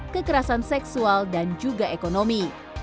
kekerasan seksual dan juga ekonomi